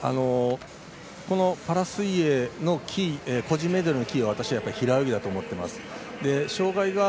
パラ水泳の個人メドレーのキーは平泳ぎだと思っています。